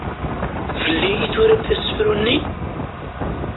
Fell-i i turamt asefru-nni?